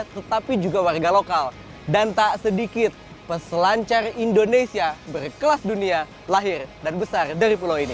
tetapi juga warga lokal dan tak sedikit peselancar indonesia berkelas dunia lahir dan besar dari pulau ini